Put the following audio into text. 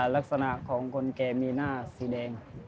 ลักษณะของคนแก่มีหน้าสีแดง